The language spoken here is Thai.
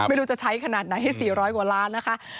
ไม่รู้จะใช้ขนาดไหนให้๔๐๐กว่าล้านนะคะ